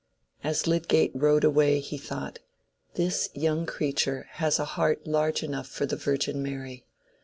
As Lydgate rode away, he thought, "This young creature has a heart large enough for the Virgin Mary.